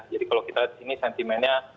jadi kalau kita lihat di sini sentimennya